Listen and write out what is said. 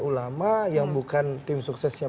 ulama yang bukan tim suksesnya